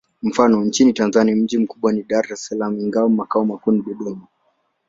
Mfano: nchini Tanzania mji mkubwa ni Dar es Salaam, ingawa makao makuu ni Dodoma.